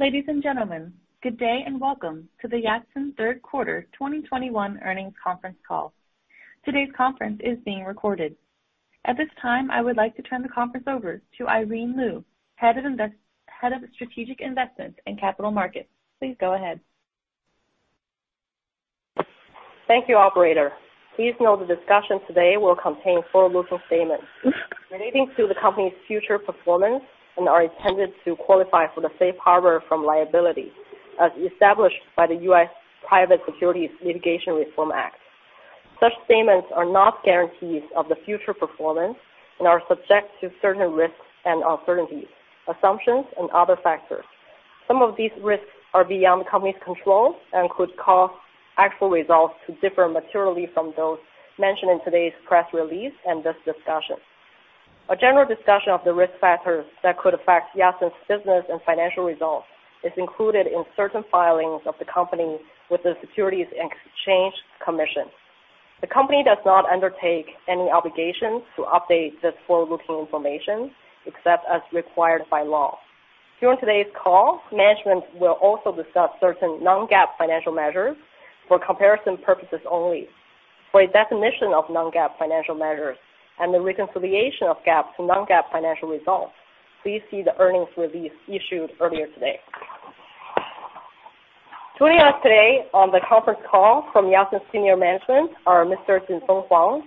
Ladies and gentlemen, good day and welcome to the Yatsen third quarter 2021 earnings conference call. Today's conference is being recorded. At this time, I would like to turn the conference over to Irene Lyu, Head of Strategic Investments and Capital Markets. Please go ahead. Thank you, operator. Please note the discussion today will contain forward-looking statements relating to the company's future performance and are intended to qualify for the safe harbor from liability, as established by the U.S. Private Securities Litigation Reform Act. Such statements are not guarantees of the future performance and are subject to certain risks and uncertainties, assumptions and other factors. Some of these risks are beyond the company's control and could cause actual results to differ materially from those mentioned in today's press release and this discussion. A general discussion of the risk factors that could affect Yatsen's business and financial results is included in certain filings of the company with the Securities and Exchange Commission. The company does not undertake any obligation to update this forward-looking information except as required by law. During today's call, management will also discuss certain non-GAAP financial measures for comparison purposes only. For a definition of non-GAAP financial measures and the reconciliation of GAAP to non-GAAP financial results, please see the earnings release issued earlier today. Joining us today on the conference call from Yatsen senior management are Mr. Jinfeng Huang,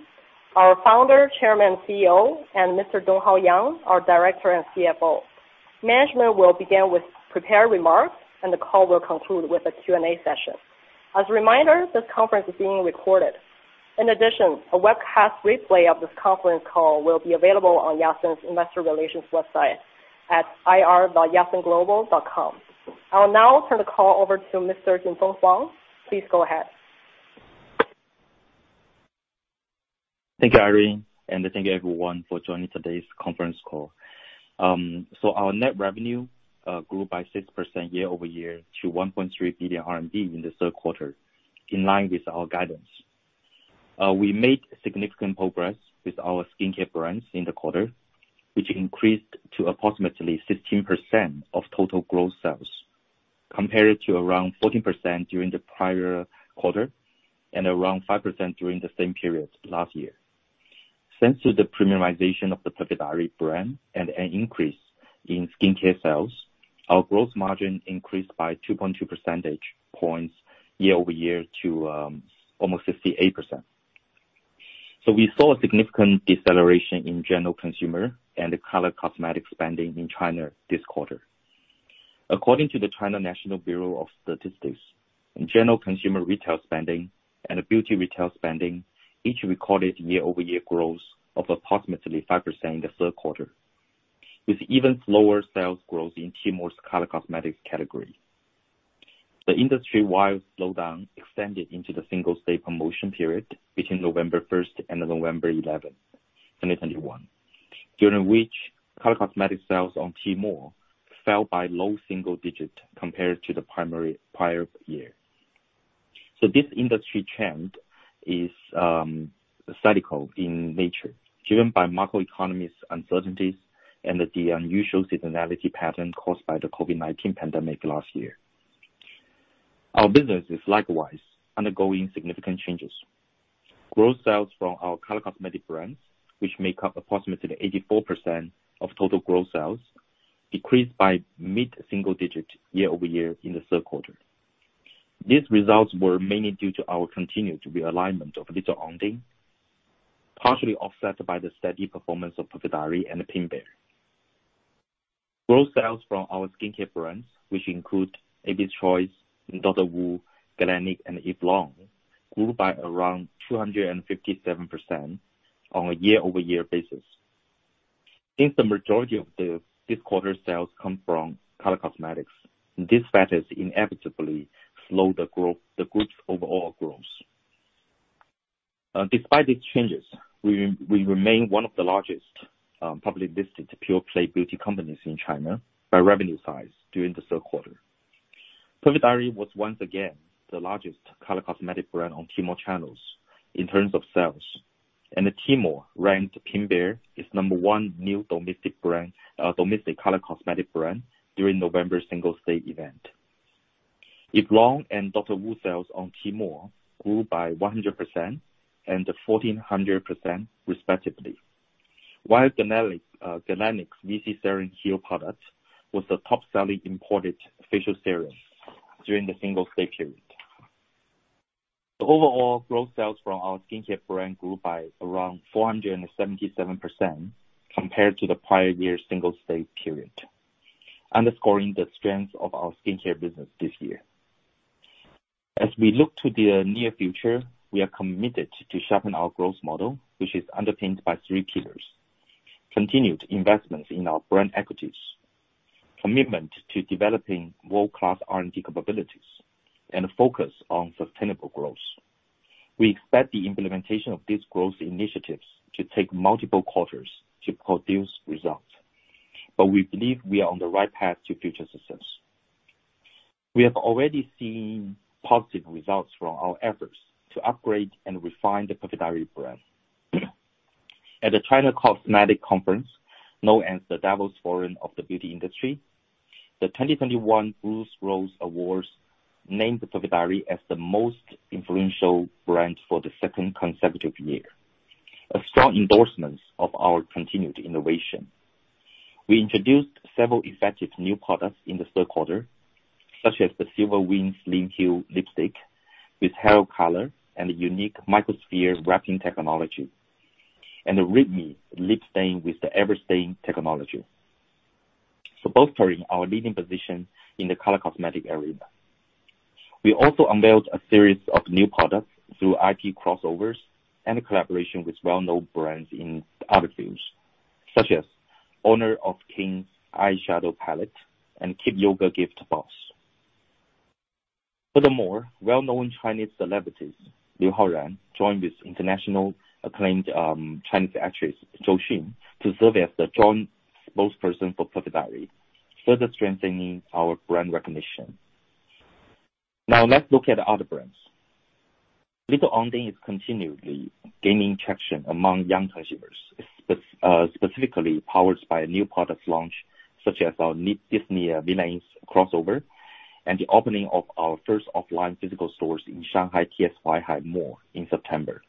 our Founder, Chairman, and CEO, and Mr. Donghao Yang, our Director and CFO. Management will begin with prepared remarks and the call will conclude with a Q&A session. As a reminder, this conference is being recorded. In addition, a webcast replay of this conference call will be available on Yatsen's investor relations website at ir.yatsenglobal.com. I will now turn the call over to Mr. Jinfeng Huang. Please go ahead. Thank you, Irene, and thank you everyone for joining today's conference call. Our net revenue grew by 6% year-over-year to 1.3 billion RMB in the third quarter, in line with our guidance. We made significant progress with our skincare brands in the quarter, which increased to approximately 15% of total gross sales, compared to around 14% during the prior quarter and around 5% during the same period last year. Thanks to the premiumization of the Perfect Diary brand and an increase in skincare sales, our gross margin increased by 2.2 percentage points year-over-year to almost 58%. We saw a significant deceleration in general consumer and color cosmetic spending in China this quarter. According to the National Bureau of Statistics of China, in general consumer retail spending and beauty retail spending, each recorded year-over-year growth of approximately 5% in the third quarter, with even slower sales growth in Tmall's color cosmetics category. The industry-wide slowdown extended into the Singles' Day promotion period between November 1st and November 11th, 2021, during which color cosmetics sales on Tmall fell by low single-digit compared to the prior year. This industry trend is cyclical in nature, driven by macroeconomic uncertainties and the unusual seasonality pattern caused by the COVID-19 pandemic last year. Our business is likewise undergoing significant changes. Gross sales from our color cosmetic brands, which make up approximately 84% of total gross sales, decreased by mid-single-digit year-over-year in the third quarter. These results were mainly due to our continued realignment of Little Ondine, partially offset by the steady performance of Perfect Diary and Pink Bear. Gross sales from our skincare brands, which include Abby's Choice, Dr. Wu, Galénic, and Eve Lom, grew by around 257% on a year-over-year basis. Since the majority of this quarter's sales come from color cosmetics, these factors inevitably slow the group's overall growth. Despite these changes, we remain one of the largest publicly listed pure-play beauty companies in China by revenue size during the third quarter. Perfect Diary was once again the largest color cosmetic brand on Tmall channels in terms of sales. Tmall ranked Pink Bear as number one new domestic brand, domestic color cosmetic brand during November's Singles' Day event. Eve Lom and Dr. Wu sales on Tmall grew by 100% and 1400% respectively. While Galénic's VC Serum hero product was the top-selling imported facial serum during the Singles' Day period. The overall sales growth from our skincare brand grew by around 477% compared to the prior year's Singles' Day period, underscoring the strength of our skincare business this year. As we look to the near future, we are committed to sharpen our growth model, which is underpinned by three pillars, continued investments in our brand equities, commitment to developing world-class R&D capabilities, and a focus on sustainable growth. We expect the implementation of these growth initiatives to take multiple quarters to produce results, but we believe we are on the right path to future success. We have already seen positive results from our efforts to upgrade and refine the Perfect Diary brand. At the China Cosmetic Conference, known as the Davos Forum of the beauty industry, the 2021 ROSE Awards named Perfect Diary as the most influential brand for the second consecutive year, a strong endorsement of our continued innovation. We introduced several effective new products in the third quarter, such as the Silver Wing Slim Hue lipstick with hair color and unique microsphere wrapping technology, and the Rhythm Lip Stain with the ever stain technology for bolstering our leading position in the color cosmetic arena. We also unveiled a series of new products through IP crossovers and collaboration with well-known brands in other fields such as Honor of Kings Eyeshadow Palette and Kid Yoga Gift Box. Furthermore, well-known Chinese celebrities, Liu Haoran joined with internationally acclaimed Chinese actress Zhou Xun to serve as the joint spokesperson for Perfect Diary, further strengthening our brand recognition. Now let's look at other brands. Little Ondine is continually gaining traction among young consumers, specifically powered by a new product launch such as our new Disney villains crossover and the opening of our first offline physical stores in Shanghai TX Huaihai Mall in September.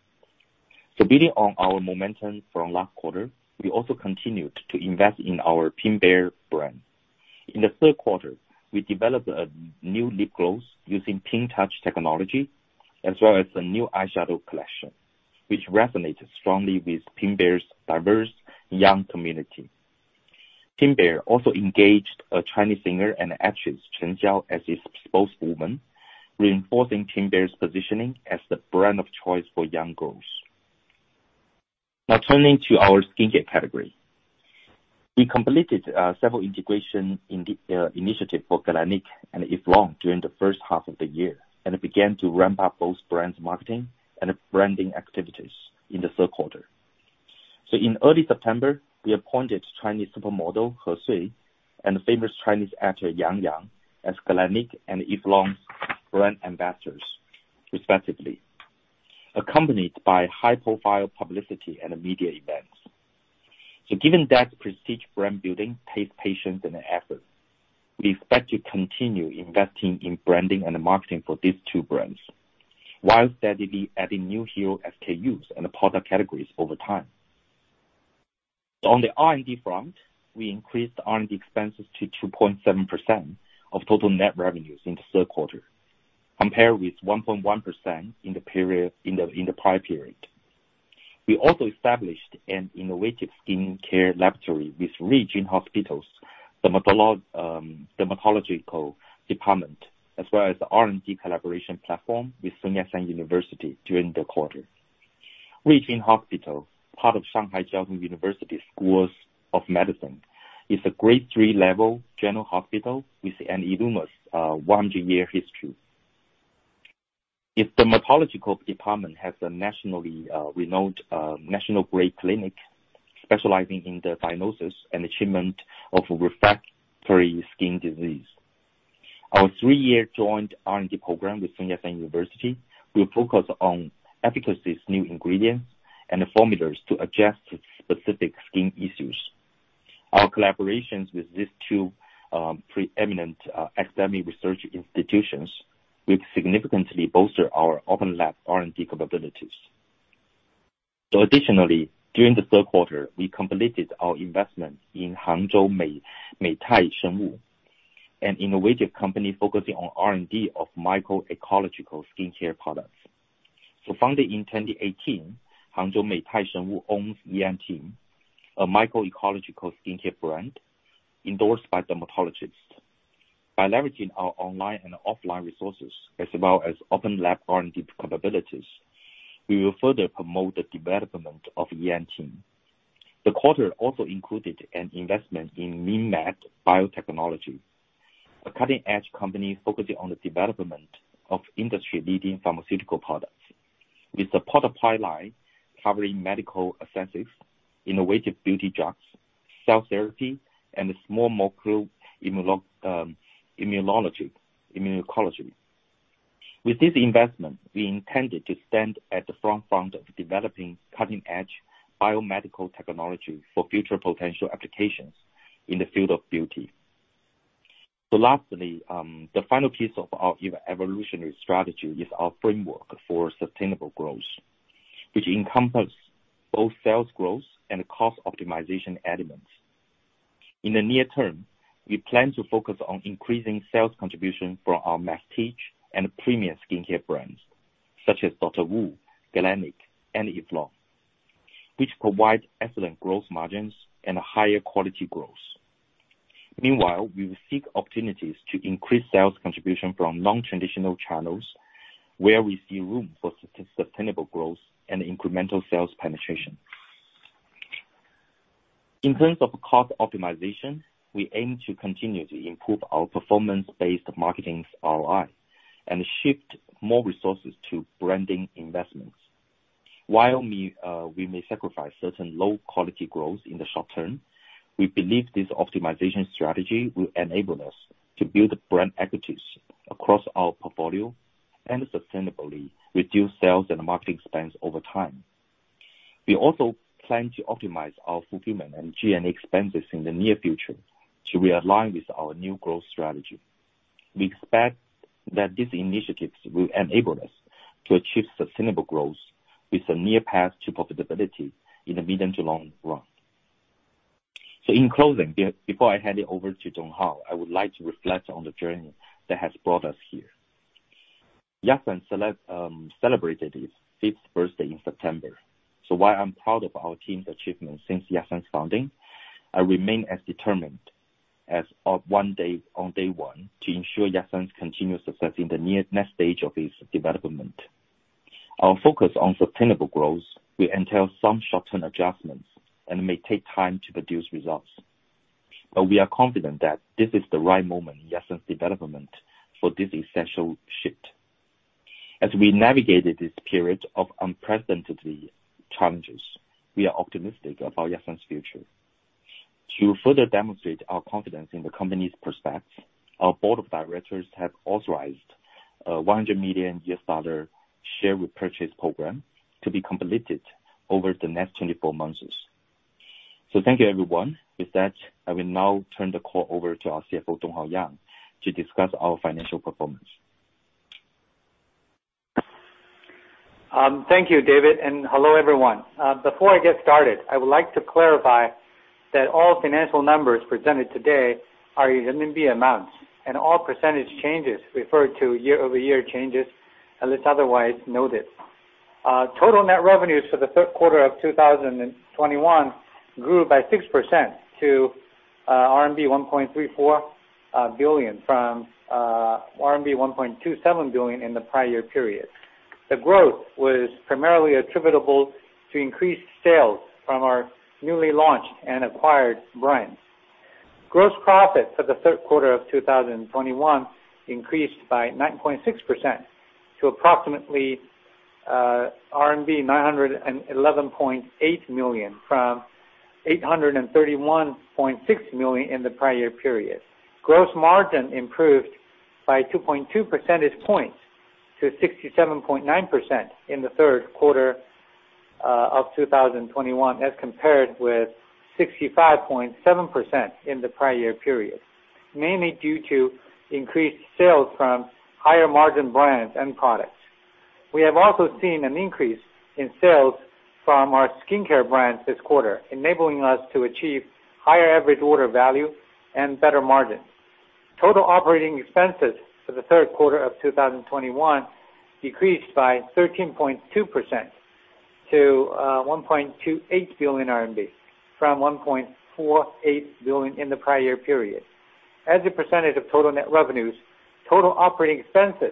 Building on our momentum from last quarter, we also continued to invest in our Pink Bear brand. In the third quarter, we developed a new lip gloss using pink touch technology as well as a new eyeshadow collection which resonates strongly with Pink Bear's diverse young community. Pink Bear also engaged a Chinese singer and actress Chen Zhuoxuan as its spokeswoman, reinforcing Pink Bear's positioning as the brand of choice for young girls. Now turning to our skincare category. We completed several integration in the initiative for Galénic and Eve Lom during the first half of the year, and it began to ramp up both brands marketing and branding activities in the third quarter. In early September, we appointed Chinese supermodel Sui He and famous Chinese actor Yang Yang as Galénic and Eve Lom brand ambassadors, respectively, accompanied by high-profile publicity and media events. Given that prestige brand building takes patience and effort, we expect to continue investing in branding and marketing for these two brands while steadily adding new hero SKUs and product categories over time. On the R&D front, we increased R&D expenses to 2.7% of total net revenues in the third quarter, compared with 1.1% in the prior period. We also established an innovative skincare laboratory with Ruijin Hospital's dermatological department, as well as the R&D collaboration platform with Sun Yat-sen University during the quarter. Ruijin Hospital, part of Shanghai Jiao Tong University School of Medicine, is a grade three level general hospital with an enormous 100-year history. Its dermatological department has a nationally renowned national-grade clinic specializing in the diagnosis and treatment of refractory skin disease. Our three-year joint R&D program with Sun Yat-sen University will focus on efficacious new ingredients and the formulas to address specific skin issues. Our collaborations with these two preeminent academic research institutions will significantly bolster our open lab R&D capabilities. Additionally, during the third quarter, we completed our investment in Hangzhou Meitai Shengwu, an innovative company focusing on R&D of micro-ecological skincare products. Founded in 2018, Hangzhou Meitai Shengwu owns EANTiM, a micro-ecological skincare brand endorsed by dermatologists. By leveraging our online and offline resources as well as open lab R&D capabilities, we will further promote the development of EANTiM. The quarter also included an investment in MingMed Biotechnology, a cutting-edge company focusing on the development of industry-leading pharmaceutical products with a product pipeline covering medical assessments, innovative beauty drugs, cell therapy, and small molecule immunology. With this investment, we intended to stand at the front of developing cutting-edge biomedical technology for future potential applications in the field of beauty. Lastly, the final piece of our evolutionary strategy is our framework for sustainable growth, which encompass both sales growth and cost optimization elements. In the near term, we plan to focus on increasing sales contribution from our mass and premium skincare brands such as Dr. Wu, Galénic and Eve Lom, which provide excellent growth margins and higher quality growth. Meanwhile, we will seek opportunities to increase sales contribution from non-traditional channels where we see room for sustainable growth and incremental sales penetration. In terms of cost optimization, we aim to continue to improve our performance-based marketing ROI and shift more resources to branding investments. While we may sacrifice certain low quality growth in the short term, we believe this optimization strategy will enable us to build brand equities across our portfolio and sustainably reduce sales and marketing spends over time. We also plan to optimize our fulfillment and G&A expenses in the near future to realign with our new growth strategy. We expect that these initiatives will enable us to achieve sustainable growth with a near path to profitability in the medium to long run. In closing, before I hand it over to Donghao, I would like to reflect on the journey that has brought us here. Yatsen celebrated its fifth birthday in September. While I'm proud of our team's achievements since Yatsen's founding, I remain as determined as on day one to ensure Yatsen's continuous success in the next stage of its development. Our focus on sustainable growth will entail some short-term adjustments and may take time to produce results. We are confident that this is the right moment in Yatsen's development for this essential shift. As we navigated this period of unprecedented challenges, we are optimistic about Yatsen's future. To further demonstrate our confidence in the company's prospects, our board of directors have authorized a $100 million share repurchase program to be completed over the next 24 months. Thank you everyone. With that, I will now turn the call over to our CFO, Donghao Yang, to discuss our financial performance. Thank you, David, and hello, everyone. Before I get started, I would like to clarify that all financial numbers presented today are in RMB amounts, and all percentage changes refer to year-over-year changes, unless otherwise noted. Total net revenues for the third quarter of 2021 grew by 6% to RMB 1.34 billion from RMB 1.27 billion in the prior period. The growth was primarily attributable to increased sales from our newly launched and acquired brands. Gross profit for the third quarter of 2021 increased by 9.6% to approximately RMB 911.8 million, from 831.6 million in the prior period. Gross margin improved by 2.2 percentage points to 67.9% in the third quarter of 2021, as compared with 65.7% in the prior period, mainly due to increased sales from higher margin brands and products. We have also seen an increase in sales from our skincare brands this quarter, enabling us to achieve higher average order value and better margins. Total operating expenses for the third quarter of 2021 decreased by 13.2% to 1.28 billion RMB from 1.48 billion in the prior period. As a percentage of total net revenues, total operating expenses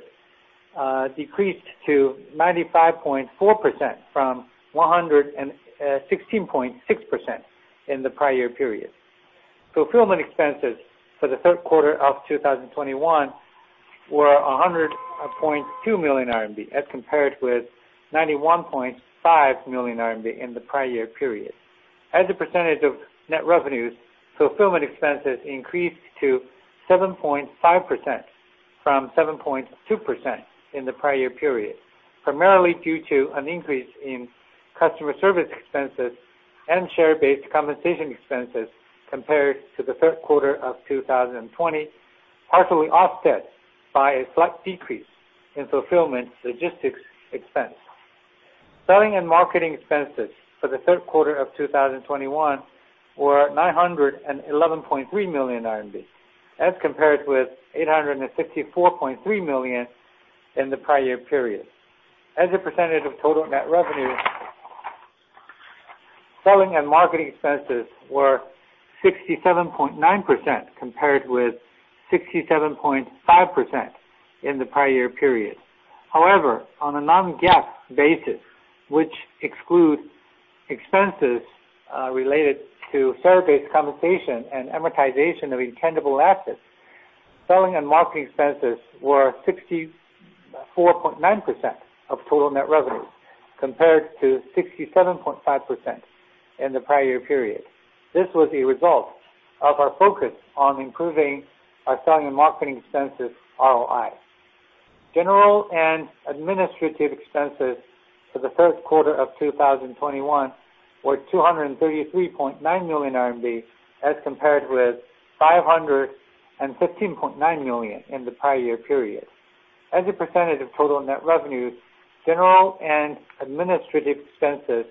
decreased to 95.4% from 116.6% in the prior period. Fulfillment expenses for the third quarter of 2021 were 100.2 million RMB as compared with 91.5 million RMB in the prior year period. As a percentage of net revenues, fulfillment expenses increased to 7.5% from 7.2% in the prior year period, primarily due to an increase in customer service expenses and share-based compensation expenses compared to the third quarter of 2020, partially offset by a slight decrease in fulfillment logistics expense. Selling and marketing expenses for the third quarter of 2021 were 911.3 million RMB as compared with 864.3 million in the prior period. As a percentage of total net revenue, selling and marketing expenses were 67.9% compared with 67.5% in the prior period. However, on a non-GAAP basis, which excludes expenses related to share-based compensation and amortization of intangible assets, selling and marketing expenses were 64.9% of total net revenue, compared to 67.5% in the prior period. This was a result of our focus on improving our selling and marketing expenses ROI. General and administrative expenses for the third quarter of 2021 were 233.9 million RMB as compared with 515.9 million in the prior period. As a percentage of total net revenues, general and administrative expenses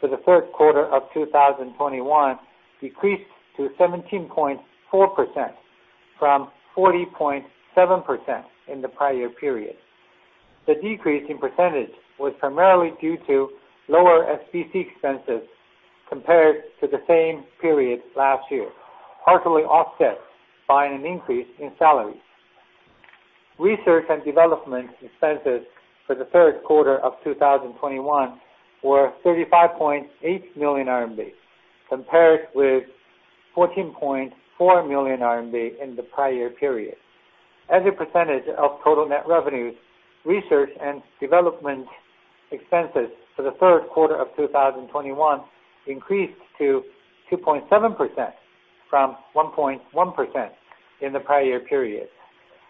for the third quarter of 2021 decreased to 17.4% from 40.7% in the prior period. The decrease in percentage was primarily due to lower SBC expenses compared to the same period last year, partially offset by an increase in salaries. Research and development expenses for the third quarter of 2021 were 35.8 million RMB compared with 14.4 million RMB in the prior period. As a percentage of total net revenues, research and development expenses for the third quarter of 2021 increased to 2.7% from 1.1% in the prior year period.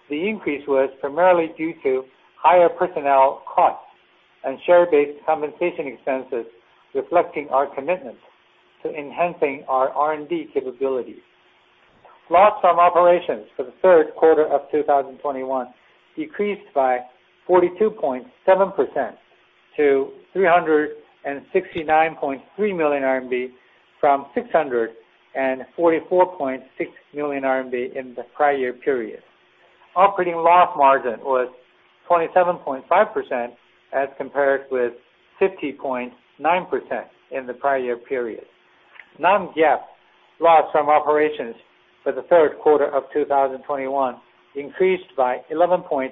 The increase was primarily due to higher personnel costs and share-based compensation expenses, reflecting our commitment to enhancing our R&D capabilities. Loss from operations for the third quarter of 2021 decreased by 42.7% to 369.3 million RMB from 644.6 million RMB in the prior year period. Operating loss margin was 27.5% as compared with 50.9% in the prior year period. Non-GAAP loss from operations for the third quarter of 2021 increased by 11.9%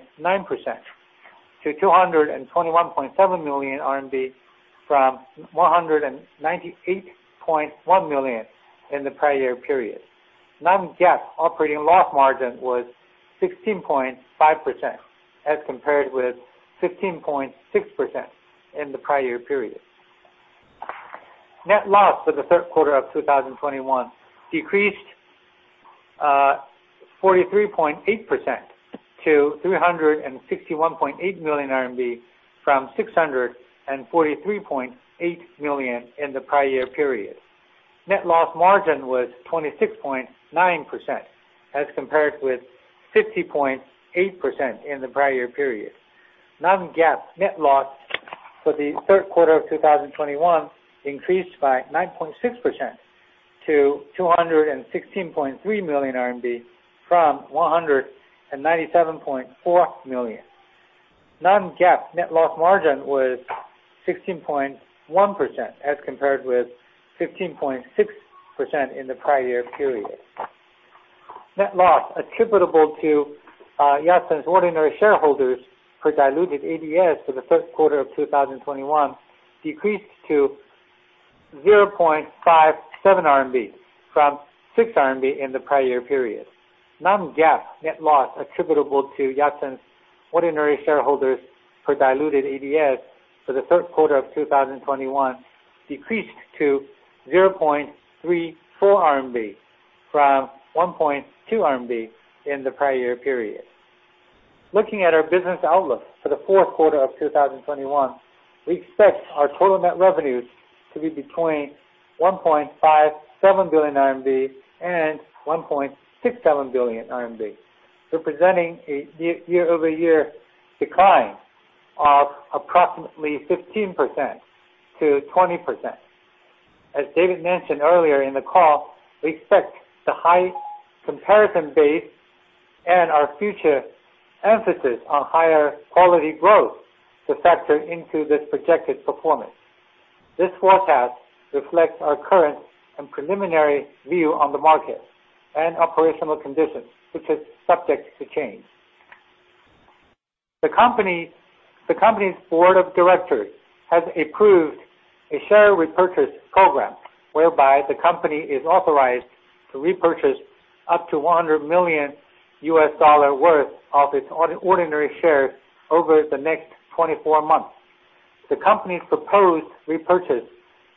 to 221.7 million RMB, from 198.1 million in the prior year period. Non-GAAP operating loss margin was 16.5% as compared with 15.6% in the prior year period. Net loss for the third quarter of 2021 decreased 43.8% to 361.8 million RMB from 643.8 million in the prior year period. Net loss margin was 26.9% as compared with 50.8% in the prior year period. Non-GAAP net loss for the third quarter of 2021 increased by 9.6% to 216.3 million RMB from 197.4 million. Non-GAAP net loss margin was 16.1% as compared with 15.6% in the prior year period. Net loss attributable to Yatsen's ordinary shareholders per diluted ADS for the third quarter of 2021 decreased to 0.57 RMB from 6 RMB in the prior year period. Non-GAAP net loss attributable to Yatsen's ordinary shareholders per diluted ADS for the third quarter of 2021 decreased to 0.34 RMB from 1.2 RMB in the prior year period. Looking at our business outlook for the fourth quarter of 2021, we expect our total net revenues to be between 1.57 billion RMB and 1.67 billion RMB, representing a year-over-year decline of approximately 15%-20%. As David mentioned earlier in the call, we expect the high comparison base and our future emphasis on higher quality growth to factor into this projected performance. This forecast reflects our current and preliminary view on the market and operational conditions, which is subject to change. The company's board of directors has approved a share repurchase program whereby the company is authorized to repurchase up to $100 million worth of its ordinary shares over the next 24 months. The company's proposed repurchase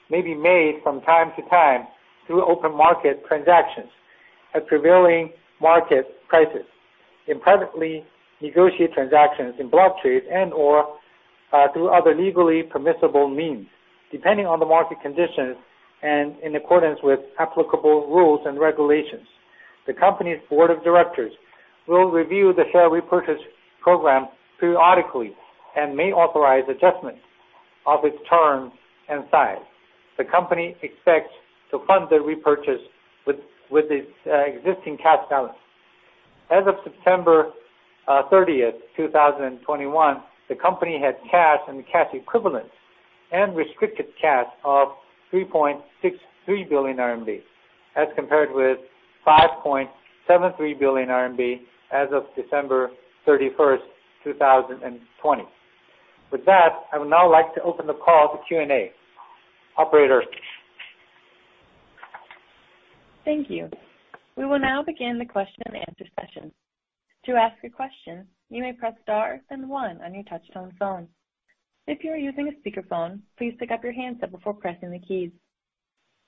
may be made from time to time through open market transactions at prevailing market prices, in privately negotiated transactions, in block trades and/or through other legally permissible means, depending on the market conditions and in accordance with applicable rules and regulations. The company's board of directors will review the share repurchase program periodically and may authorize adjustments of its terms and size. The company expects to fund the repurchase with its existing cash balance. As of September thirtieth, 2021, the company had cash and cash equivalents and restricted cash of 3.63 billion RMB, as compared with 5.73 billion RMB as of December thirty-first, 2020. With that, I would now like to open the call to Q&A. Operator? Thank you. We will now begin the question and answer session. To ask a question, you may press star then one on your touchtone phone. If you are using a speakerphone, please pick up your handset before pressing the keys.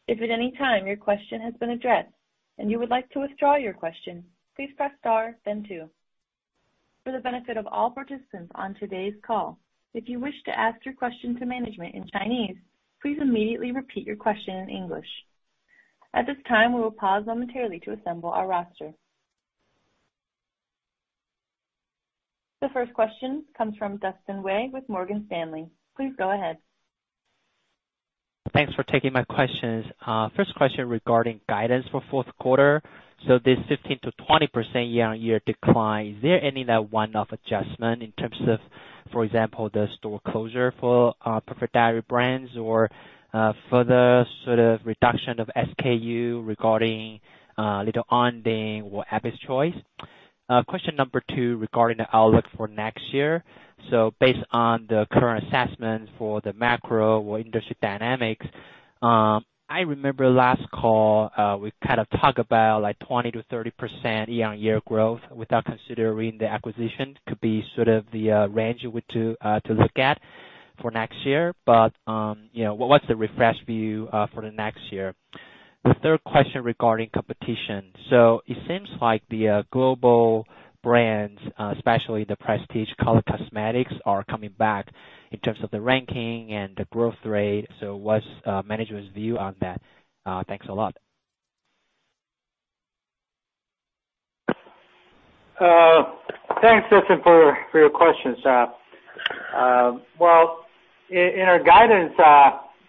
If at any time your question has been addressed and you would like to withdraw your question, please press star then two. For the benefit of all participants on today's call, if you wish to ask your question to management in Chinese, please immediately repeat your question in English. At this time, we will pause momentarily to assemble our roster. The first question comes from Dustin Wei with Morgan Stanley. Please go ahead. Thanks for taking my questions. First question regarding guidance for fourth quarter. This 15%-20% year-on-year decline, is there any net one-off adjustment in terms of, for example, the store closure for Perfect Diary brand or further sort of reduction of SKU regarding Little Ondine or Abby's Choice? Question number two regarding the outlook for next year. Based on the current assessment for the macro or industry dynamics, I remember last call, we kind of talked about like 20%-30% year-on-year growth without considering the acquisition could be sort of the range to look at for next year. You know, what's the refreshed view for the next year? The third question regarding competition. It seems like the global brands, especially the prestige color cosmetics, are coming back in terms of the ranking and the growth rate. What's management's view on that? Thanks a lot. Thanks, Dustin, for your questions. Well, in our guidance,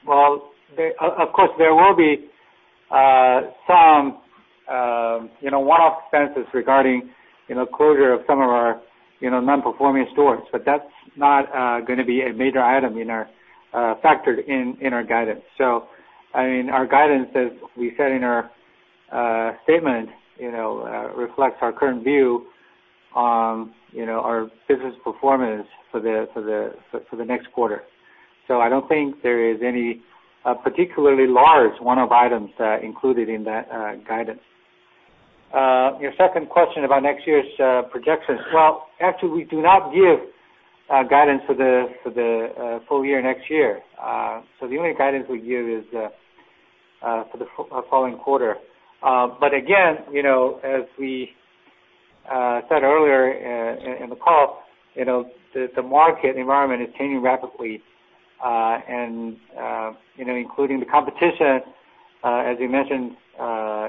of course, there will be some, you know, one-off expenses regarding, you know, closure of some of our, you know, non-performing stores. That's not gonna be a major item factored in our guidance. I mean, our guidance, as we said in our statement, you know, reflects our current view on, you know, our business performance for the next quarter. I don't think there is any particularly large one-off items included in that guidance. Your second question about next year's projections. Well, actually, we do not give guidance for the full year next year. The only guidance we give is for the following quarter. Again, you know, as we said earlier in the call, you know, the market environment is changing rapidly, and you know, including the competition, as you mentioned,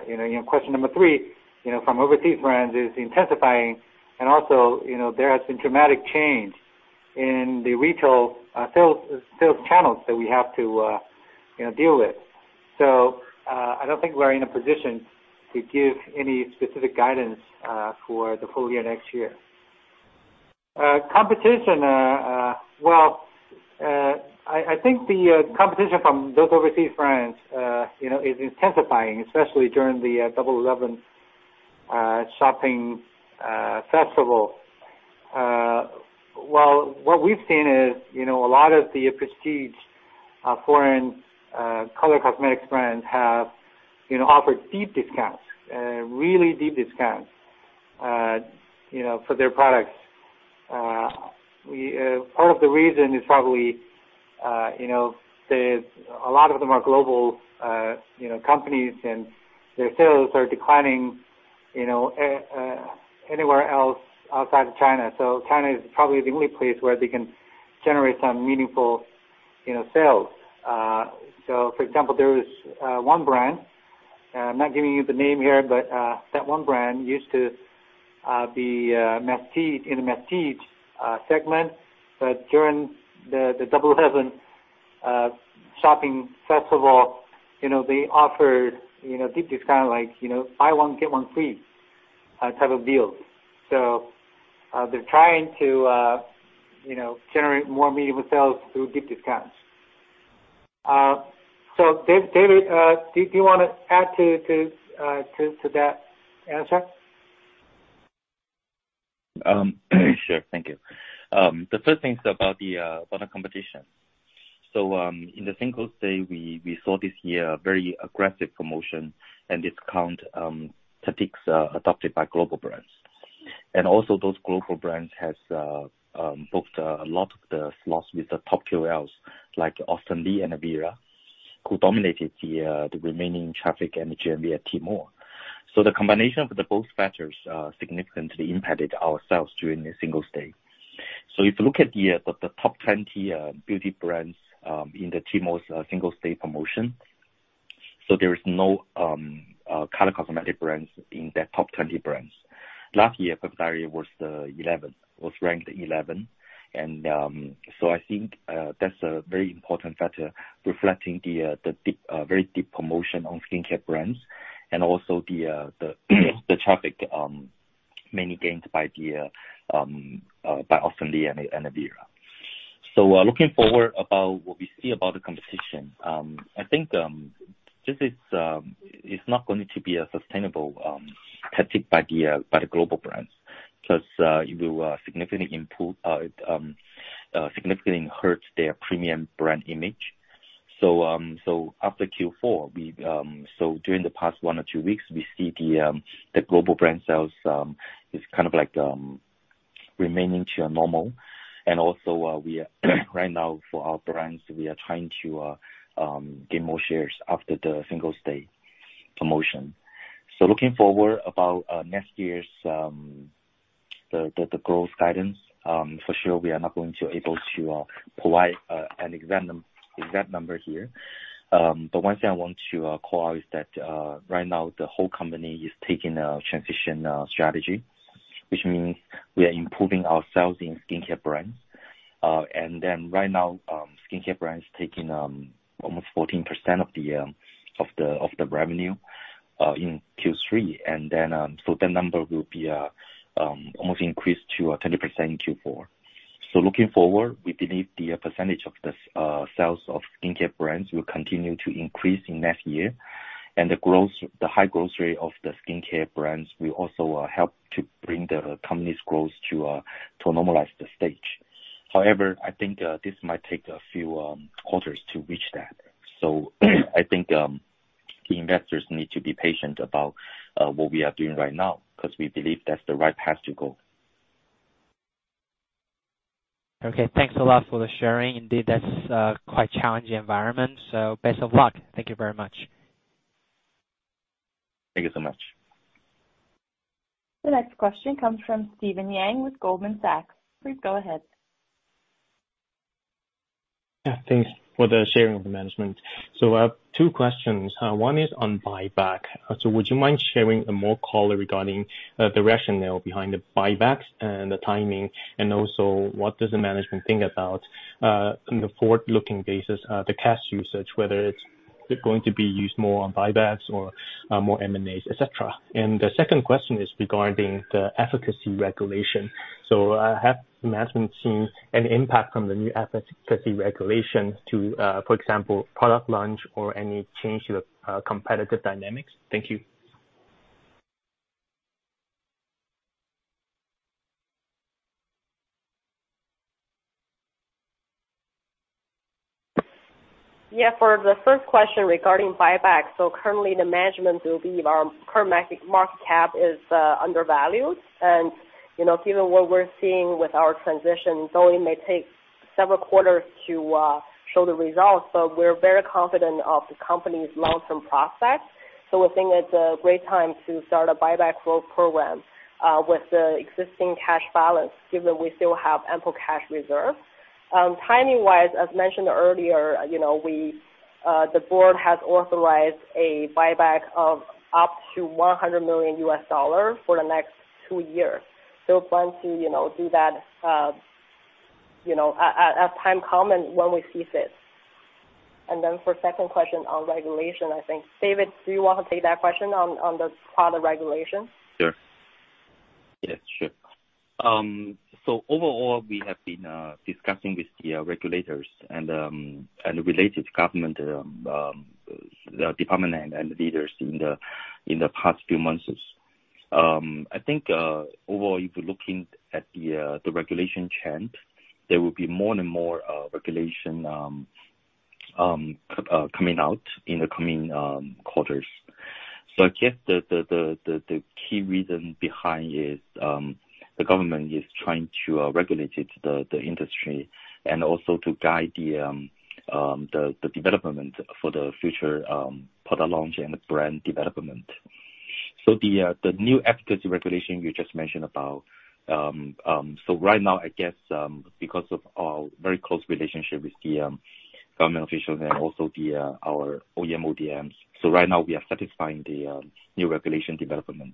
you know, in question number three, you know, from overseas brands is intensifying. Also, you know, there has been dramatic change in the retail sales channels that we have to you know, deal with. I don't think we're in a position to give any specific guidance for the full year next year. Competition, well, I think the competition from those overseas brands, you know, is intensifying, especially during the Double Eleven shopping festival. Well, what we've seen is, you know, a lot of the prestige foreign color cosmetics brands have, you know, offered deep discounts, really deep discounts, you know, for their products. Part of the reason is probably, you know, there's a lot of them are global, you know, companies, and their sales are declining, you know, anywhere else outside of China. China is probably the only place where they can generate some meaningful, you know, sales. For example, there is one brand, I'm not giving you the name here, but that one brand used to be prestige in the prestige segment. During the Double Eleven shopping festival, you know, they offered, you know, deep discount, like, you know, buy one get one free type of deal. They're trying to, you know, generate more meaningful sales through deep discounts. David, do you wanna add to that answer? Sure. Thank you. The first thing is about the competition. In the Singles' Day, we saw this year very aggressive promotion and discount tactics adopted by global brands. Those global brands has booked a lot of the slots with the top KOLs like Austin Li and Viya, who dominated the remaining traffic in the Tmall. The combination of the both factors significantly impacted our sales during the Singles' Day. If you look at the top 20 beauty brands in the Tmall's Singles' Day promotion, there is no color cosmetic brands in that top 20 brands. Last year, Perfect Diary was ranked 11. I think that's a very important factor reflecting the very deep promotion on skincare brands and also the traffic mainly gained by Li Jiaqi and Viya. Looking forward to what we see about the competition, I think this is not going to be a sustainable tactic by the global brands 'cause it will significantly hurt their premium brand image. After Q4, during the past one or two weeks, we see the global brand sales is kind of like returning to normal. We are right now for our brands trying to gain more shares after the Singles' Day promotion. Looking forward about next year's growth guidance, for sure we are not going to be able to provide an exact number here. But one thing I want to call out is that right now the whole company is taking a transition strategy, which means we are improving our sales in skincare brands. Right now, skincare brands taking almost 14% of the revenue in Q3. That number will be almost increased to 20% in Q4. Looking forward, we believe the percentage of the sales of skincare brands will continue to increase in next year and the high growth rate of the skincare brands will also help to bring the company's growth to a normalized stage. However, I think this might take a few quarters to reach that. I think investors need to be patient about what we are doing right now, because we believe that's the right path to go. Okay. Thanks a lot for the sharing. Indeed, that's a quite challenging environment, so best of luck. Thank you very much. Thank you so much. The next question comes from Steven Yang with Goldman Sachs. Please go ahead. Yeah, thanks for the sharing of the management. I have two questions. One is on buyback. Would you mind sharing a more color regarding the rationale behind the buybacks and the timing, and also what does the management think about, in the forward-looking basis, the cash usage, whether it's going to be used more on buybacks or more M&As, et cetera. The second question is regarding the efficacy regulation. Has the management seen an impact from the new efficacy regulation to, for example, product launch or any change to the competitive dynamics? Thank you. Yeah. For the first question regarding buyback, currently the management believe our current market cap is undervalued. You know, given what we're seeing with our transition, though it may take several quarters to show the results, but we're very confident of the company's long-term prospects. We think it's a great time to start a buyback growth program with the existing cash balance, given we still have ample cash reserves. Timing-wise, as mentioned earlier, you know, the board has authorized a buyback of up to $100 million for the next two years. Plan to, you know, do that, you know, as time comes and when we see fit. For second question on regulation, I think, David, do you want to take that question on the product regulation? Sure. Overall, we have been discussing with the regulators and related government department and leaders in the past few months. I think overall, if you're looking at the regulation trend, there will be more and more regulation coming out in the coming quarters. I guess the key reason behind is the government is trying to regulate the industry and also to guide the development for the future product launch and brand development. The new efficacy regulation you just mentioned about, right now, I guess, because of our very close relationship with the government officials and also our OEM ODMs, right now we are satisfying the new regulation development.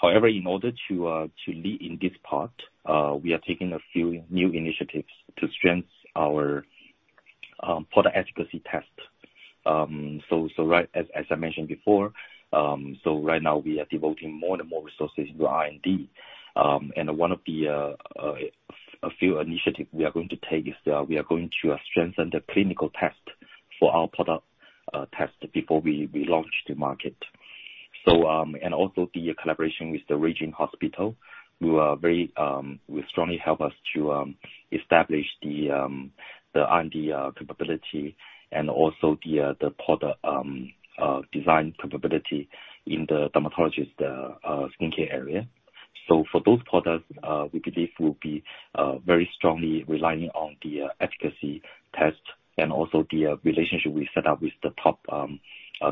However, in order to lead in this part, we are taking a few new initiatives to strengthen our product efficacy test. As I mentioned before, right now we are devoting more and more resources to R&D. One of a few initiatives we are going to take is that we are going to strengthen the clinical test for our product test before we launch to market. The collaboration with the Ruijin Hospital will strongly help us to establish the R&D capability and also the product design capability in the dermatological skincare area. For those products, we believe we'll be very strongly relying on the efficacy test and also the relationship we set up with the top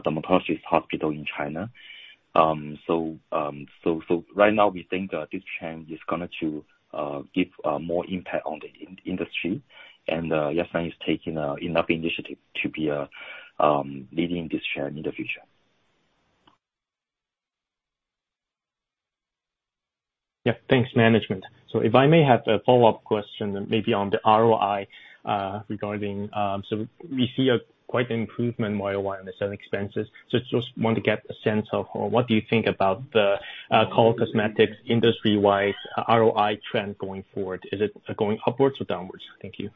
dermatologist hospital in China. Right now we think this trend is going to give more impact on the industry. Yatsen is taking enough initiative to be leading this trend in the future. Thanks, management. If I may have a follow-up question on the ROI, regarding so we see a quite improvement Y-o-Y on the sales expenses. Just want to get a sense of what do you think about the color cosmetics industry-wide ROI trend going forward? Is it going upwards or downwards? Thank you.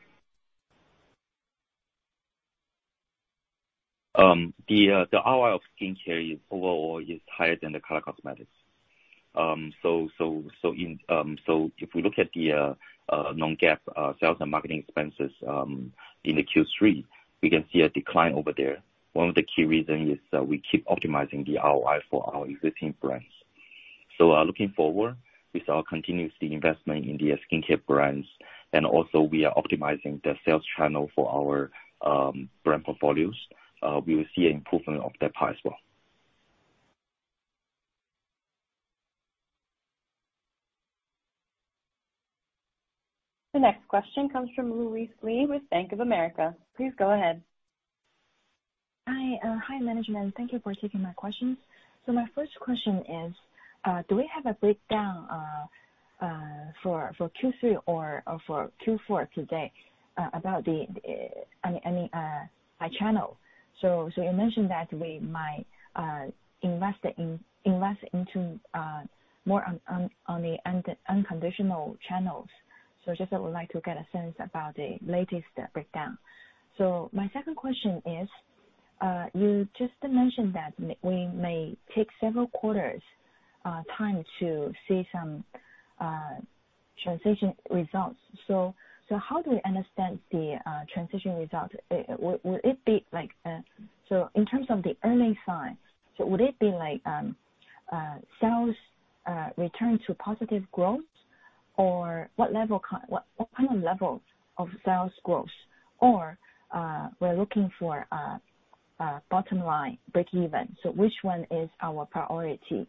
The ROI of skincare is overall higher than the color cosmetics. If we look at the non-GAAP sales and marketing expenses in the Q3, we can see a decline over there. One of the key reason is that we keep optimizing the ROI for our existing brands. Looking forward with our continuously investment in the skincare brands, and also we are optimizing the sales channel for our brand portfolios, we will see an improvement of that part as well. The next question comes from Louise Li with Bank of America. Please go ahead. Hi. Hi, management. Thank you for taking my questions. My first question is, do we have a breakdown for Q3 or for Q4 to date about any by channel? You mentioned that we might invest into more on the unconditional channels. Just, I would like to get a sense about the latest breakdown. My second question is you just mentioned that we may take several quarters time to see some transition results. How do we understand the transition result? Will it be like so in terms of the earning side, so would it be like sales return to positive growth? Or what kind of levels of sales growth? We're looking for bottom line breakeven. Which one is our priority?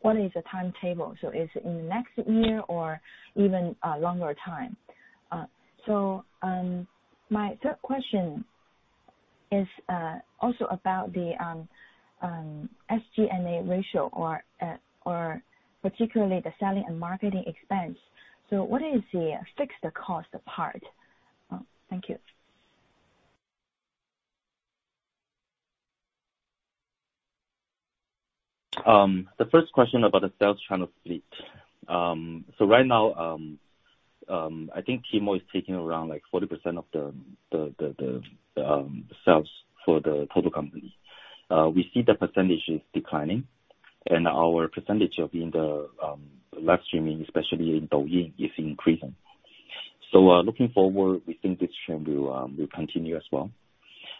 What is the timetable? Is it in next year or even longer time? My third question is also about the SG&A ratio or particularly the selling and marketing expense. What is the fixed cost apart? Thank you. The first question about the sales channel split. Right now, I think Tmall is taking around like 40% of the sales for the total company. We see the percentage is declining and our percentage of in the live streaming, especially in Douyin, is increasing. Looking forward, we think this trend will continue as well.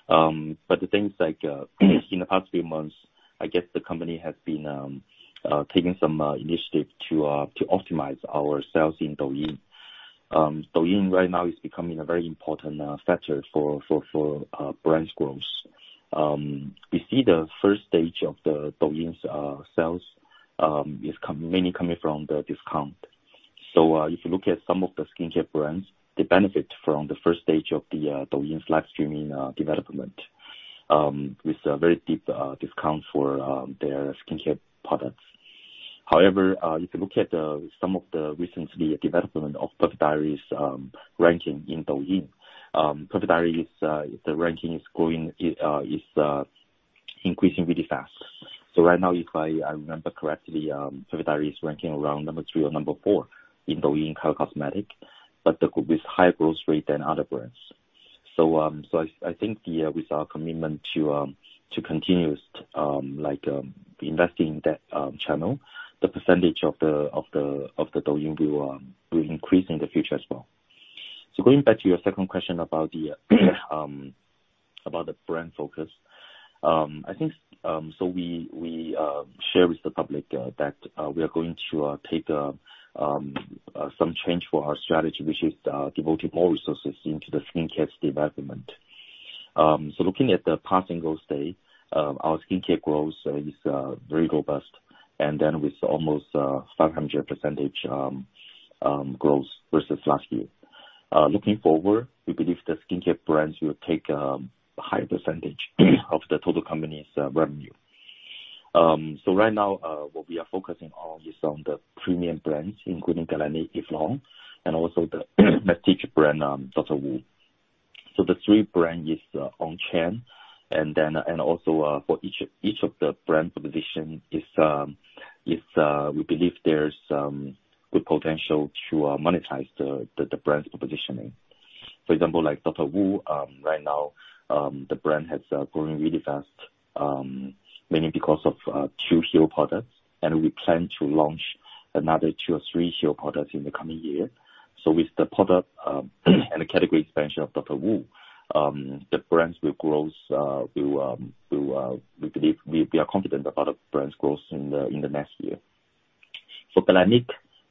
The things like in the past few months, I guess the company has been taking some initiative to optimize our sales in Douyin. Douyin right now is becoming a very important factor for brand's growth. We see the first stage of the Douyin's sales is mainly coming from the discount. If you look at some of the skincare brands, they benefit from the first stage of the Douyin's live streaming development with a very deep discount for their skincare products. However, if you look at some of the recent development of Perfect Diary's ranking in Douyin, Perfect Diary's ranking is growing, increasing really fast. Right now, if I remember correctly, Perfect Diary is ranking around number three or number four in Douyin color cosmetics, but the group's higher growth rate than other brands. I think with our commitment to continue like investing in that channel, the percentage of Douyin will increase in the future as well. Going back to your second question about the brand focus. I think we share with the public that we are going to make some changes to our strategy, which is devoting more resources into skincare development. Looking at the past Singles' Day, our skincare growth is very robust with almost 500% growth versus last year. Looking forward, we believe the skincare brands will take a higher percentage of the total company's revenue. Right now, what we are focusing on is the premium brands including Galénic, Eve Lom, and also the prestige brand Dr. Wu. The three brands are on track. For each of the brand position is we believe there's some good potential to monetize the brand's positioning. For example, like Dr. Wu, right now, the brand has grown really fast, mainly because of two hero products. We plan to launch another two or three hero products in the coming year. With the product and the category expansion of Dr. Wu, the brands will growth, we believe we are confident about the brands growth in the next year. For Galénic,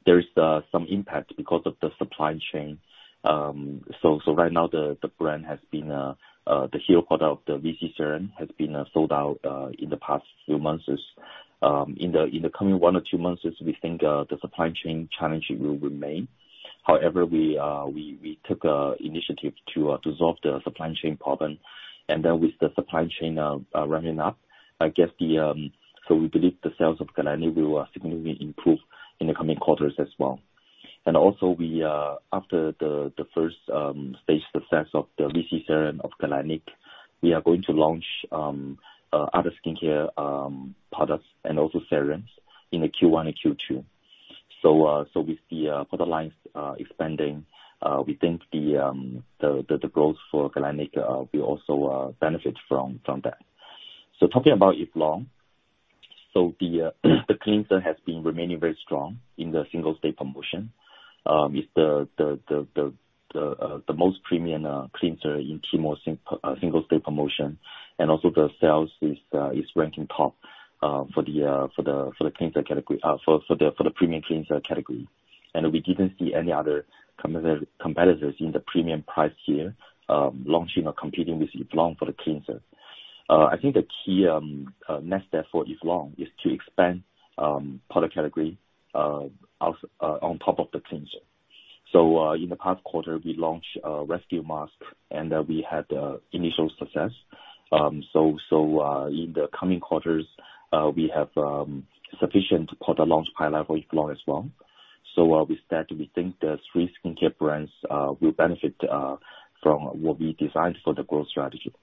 there is some impact because of the supply chain. Right now the brand has been, the hero product, the VC Serum, has been sold out in the past few months. In the coming one or two months, as we think, the supply chain challenge will remain. However, we took an initiative to resolve the supply chain problem. Then with the supply chain ramping up, I guess, we believe the sales of Galénic will significantly improve in the coming quarters as well. After the first stage success of the VC Serum of Galénic, we are going to launch other skincare products and also serums in Q1 and Q2. With the product lines expanding, we think the growth for Galénic will also benefit from that. Talking about Eve Lom, the cleanser has been remaining very strong in the Singles' Day promotion. It's the most premium cleanser in Tmall Singles' Day promotion. Also the sales is ranking top for the cleanser category for the premium cleanser category. We didn't see any other competitors in the premium price tier launching or competing with Eve Lom for the cleanser. I think the key next step for Eve Lom is to expand product category on top of the cleanser. In the past quarter we launched a Rescue Mask, and we had initial success. In the coming quarters, we have sufficient product launch pipeline for Eve Lom as well. With that, we think the three skincare brands will benefit from what we designed for the growth strategy.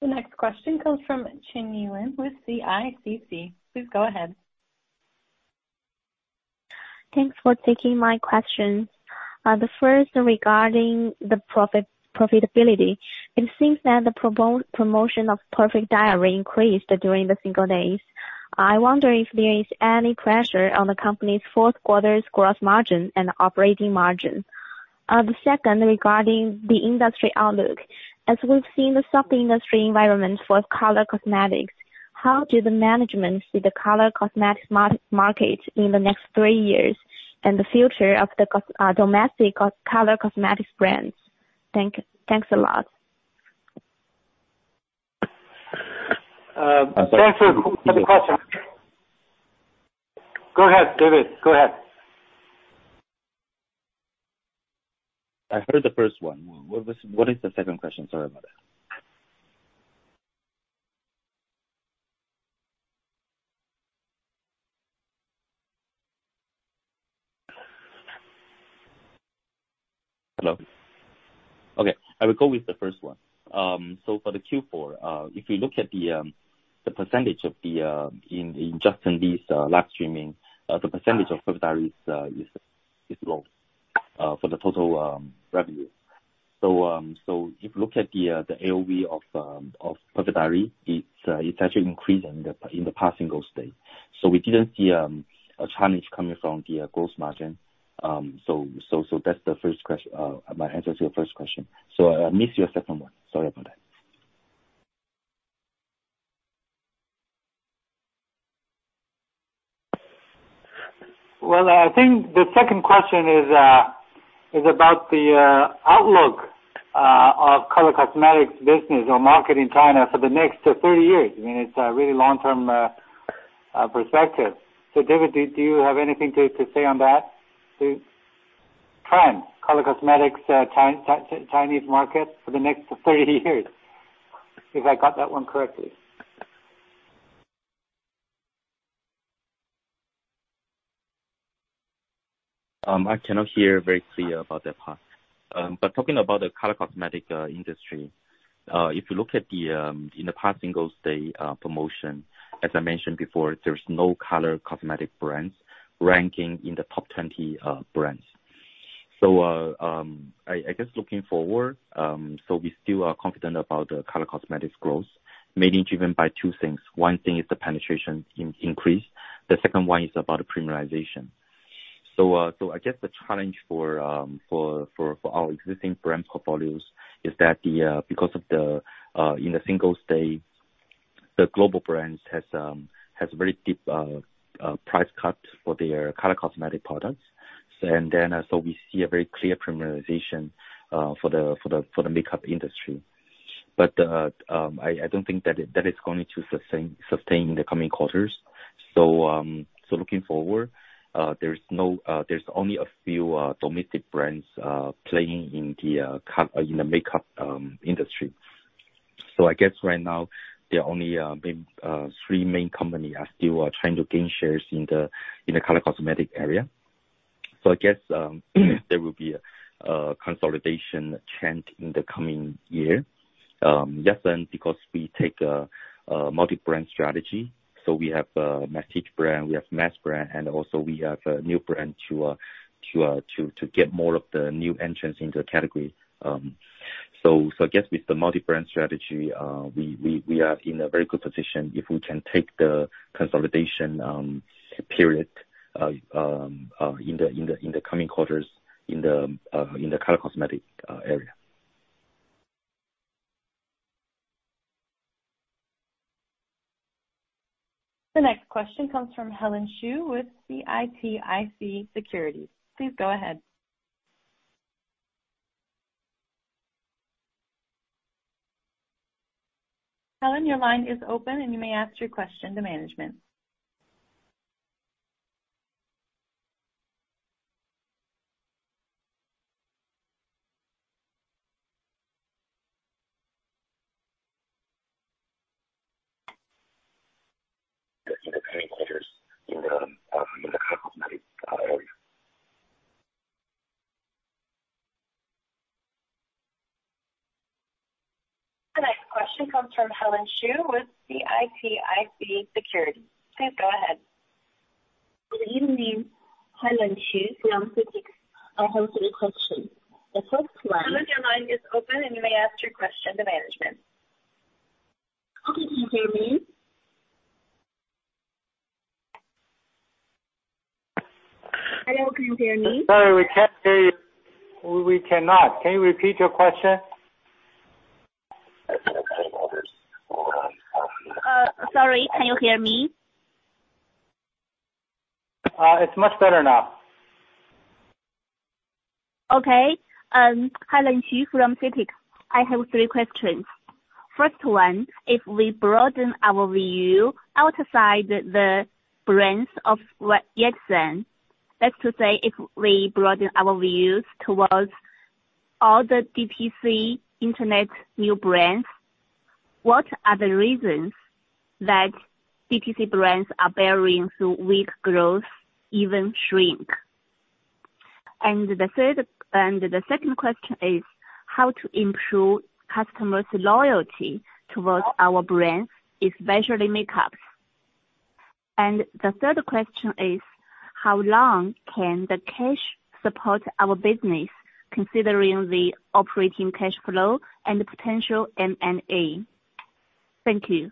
The next question comes from Qing Yuan with CICC. Please go ahead. Thanks for taking my question. The first regarding the profitability. It seems that the promotion of Perfect Diary increased during the Singles' Day. I wonder if there is any pressure on the company's fourth quarter's gross margin and operating margin. The second regarding the industry outlook. As we've seen the subdued industry environment for color cosmetics, how do the management see the color cosmetics market in the next three years and the future of the domestic color cosmetics brands? Thanks a lot. Thanks for the question. Go ahead, David. Go ahead. I heard the first one. What is the second question? Sorry about that. Hello? Okay, I will go with the first one. For the Q4, if you look at the percentage in just these live streaming, the percentage of Perfect Diary is low for the total revenue. If you look at the AOV of Perfect Diary, it's actually increasing in the past Singles' Day. We didn't see a challenge coming from the gross margin. That's my answer to your first question. I missed your second one. Sorry about that. Well, I think the second question is about the outlook of color cosmetics business or market in China for the next three years. I mean, it's a really long-term perspective. David, do you have anything to say on that? The trend, color cosmetics, Chinese market for the next three years, if I got that one correctly. I cannot hear very clearly about that part. Talking about the color cosmetics industry, if you look at the past Singles' Day promotion, as I mentioned before, there's no color cosmetics brands ranking in the top 20 brands. I guess looking forward, we still are confident about the color cosmetics growth, mainly driven by two things. One thing is the penetration increase. The second one is about the premiumization. I guess the challenge for our existing brand portfolios is that because of the Singles' Day, the global brands has very deep price cuts for their color cosmetic products. We see a very clear premiumization for the makeup industry. I don't think that is going to sustain in the coming quarters. Looking forward, there's only a few domestic brands playing in the makeup industry. I guess right now there are only three main companies still trying to gain shares in the color cosmetic area. I guess there will be a consolidation trend in the coming year. Yes, and because we take a multi-brand strategy, we have a prestige brand, we have mass brand, and also we have a new brand to get more of the new entrants into the category. I guess with the multi-brand strategy, we are in a very good position if we can take the consolidation period in the coming quarters in the color cosmetic area. The next question comes from Helen Shu with CITIC Securities. Please go ahead. Helena, your line is open, and you may ask your question to management. The next question comes from Helen Shu with CITIC Securities. Please go ahead. Good evening. Helen Shu from CITIC. I have three questions. The first one. Helena, your line is open and you may ask your question to management. Can you hear me? Hello, can you hear me? Sorry, we can't hear you. We cannot. Can you repeat your question? Sorry. Can you hear me? It's much better now. Okay. Helen Shu from CITIC. I have three questions. First one, if we broaden our view outside the brands of what Yatsen, that's to say if we broaden our views towards all the DTC internet new brands, what are the reasons that DTC brands are bearing through weak growth, even shrink? The third, and the second question is how to improve customers' loyalty towards our brand, especially makeup. The third question is how long can the cash support our business considering the operating cash flow and the potential M&A? Thank you.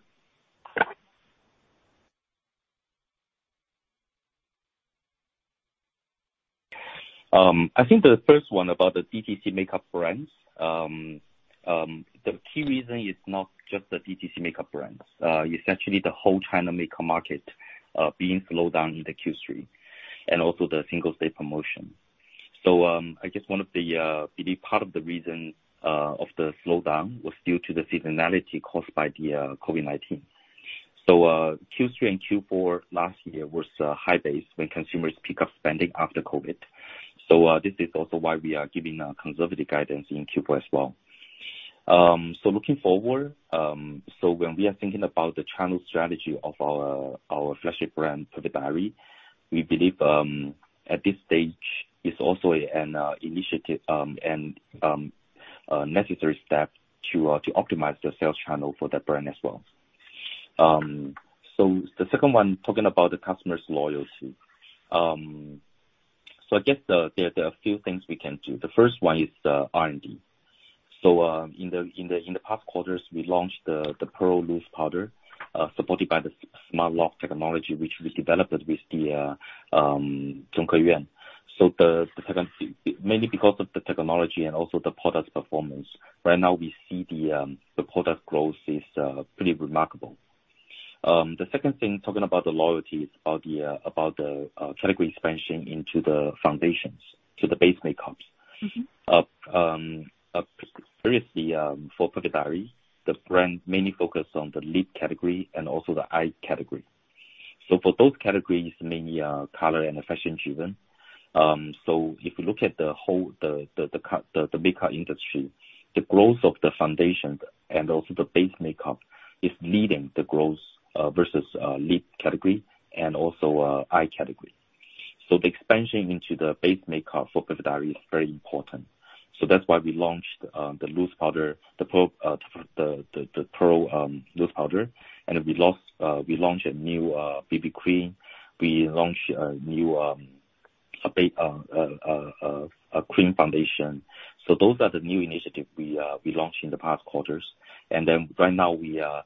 I think the first one about the DTC makeup brands, the key reason is not just the DTC makeup brands, essentially the whole China makeup market being slowed down in the Q3 and also the Singles' Day promotion. I guess one of the big part of the reason of the slowdown was due to the seasonality caused by the COVID-19. This is also why we are giving a conservative guidance in Q4 as well. Looking forward, when we are thinking about the channel strategy of our flagship brand, Perfect Diary, we believe at this stage is also an initiative and necessary step to optimize the sales channel for that brand as well. The second one, talking about the customers' loyalty. I guess there are a few things we can do. The first one is the R&D. In the past quarters, we launched the pearl loose powder, supported by the SmartLock technology, which we developed with the. The second thing mainly because of the technology and also the product's performance. Right now we see the product growth is pretty remarkable. The second thing, talking about the loyalty is about the category expansion into the foundations, to the base makeups. Mm-hmm. Previously, for Perfect Diary, the brand mainly focused on the lip category and also the eye category. For those categories, mainly, color and fashion-driven. If you look at the whole makeup industry, the growth of the foundations and also the base makeup is leading the growth versus lip category and also eye category. The expansion into the base makeup for Perfect Diary is very important. That's why we launched the pearl loose powder. We launched a new BB cream. We launched a new cream foundation. Those are the new initiatives we launched in the past quarters. Right now we are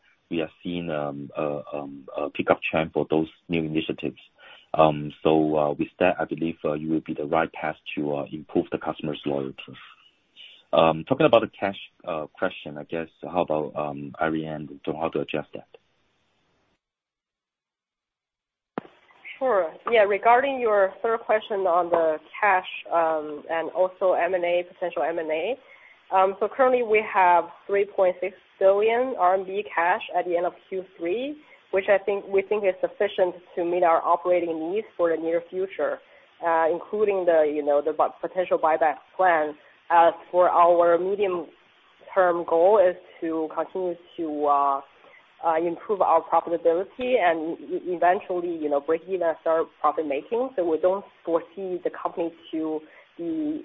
seeing a pickup trend for those new initiatives. With that, I believe you will be the right path to improve the customers' loyalty. Talking about the cash question, I guess how about Irene on how to address that? Sure. Yeah, regarding your third question on the cash, and also M&A, potential M&A. Currently we have 3.6 billion RMB cash at the end of Q3, which I think we think is sufficient to meet our operating needs for the near future, including the, you know, the potential buyback plans. As for our medium-term goal is to continue to improve our profitability and eventually, you know, break even and start profit-making, so we don't foresee the company to be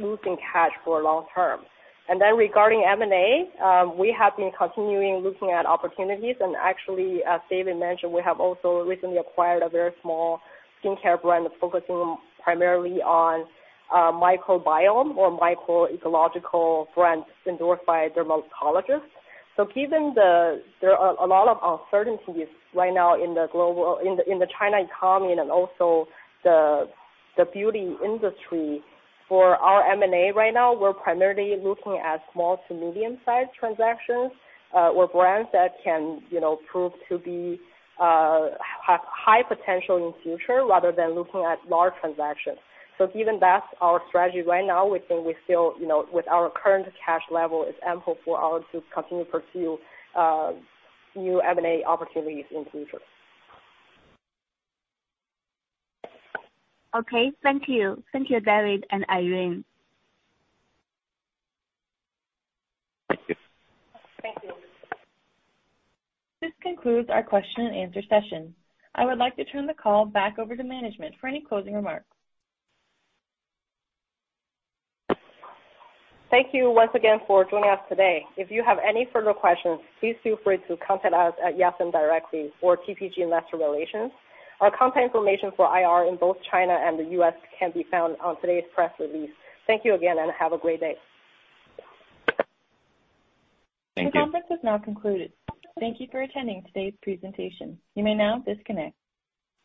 losing cash for long term. Regarding M&A, we have been continuing looking at opportunities. Actually, as David mentioned, we have also recently acquired a very small skincare brand focusing primarily on microbiome or microecological brands endorsed by dermatologists. So given the There are a lot of uncertainties right now in the global and in the China economy and also the beauty industry. For our M&A right now, we're primarily looking at small- to medium-sized transactions or brands that can, you know, prove to have high potential in future rather than looking at large transactions. Given that's our strategy right now, we think we still, you know, with our current cash level is ample for us to continue pursue new M&A opportunities in the future. Okay. Thank you. Thank you, David and Irene. Thank you. Thank you. This concludes our question and answer session. I would like to turn the call back over to management for any closing remarks. Thank you once again for joining us today. If you have any further questions, please feel free to contact us at Yatsen directly or TPG Investor Relations. Our contact information for IR in both China and the U.S. can be found on today's press release. Thank you again, and have a great day. Thank you. The conference has now concluded. Thank you for attending today's presentation. You may now disconnect.